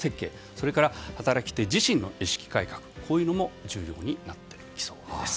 それから働き手自身の意識改革も重要になってきそうです。